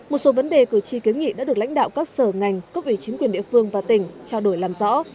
một số vấn đề cử tri kiến nghị đã được lãnh đạo các sở ngành các ủy chính quyền địa phương và tỉnh trao đổi làm rõ